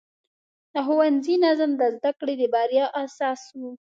د ښوونځي نظم د زده کړې د بریا اساس و.